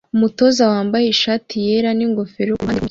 Umutoza wambaye ishati yera n'ingofero kuruhande rwumukino